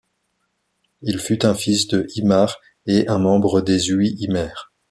Il fut un fils de Ímar et un membre des Uí Ímair.